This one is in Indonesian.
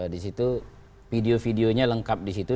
disitu video videonya lengkap disitu